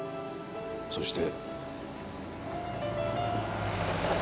そして。